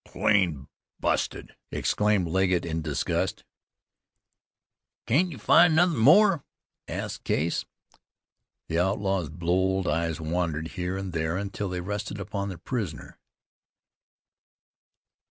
"Clean busted!" exclaimed Legget in disgust. "Can't you find nothin' more?" asked Case. The outlaw's bold eyes wandered here and there until they rested upon the prisoner.